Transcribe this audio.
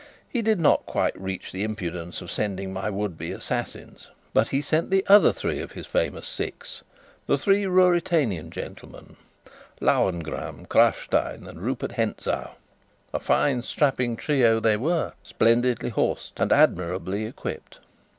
He did not quite reach the impudence of sending my would be assassins, but he sent the other three of his famous Six the three Ruritanian gentlemen Lauengram, Krafstein, and Rupert Hentzau. A fine, strapping trio they were, splendidly horsed and admirably equipped.